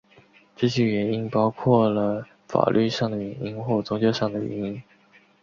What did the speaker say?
这些原因包括了法律上的原因或宗教上的原因。